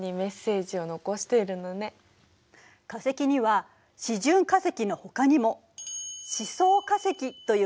化石には示準化石のほかにも「示相化石」という化石もあるのよ。